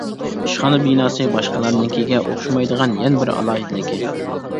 ئىشخانا بىناسى باشقىلارنىڭكىگە ئوخشىمايدىغان يەنە بىر ئالاھىدىلىكى.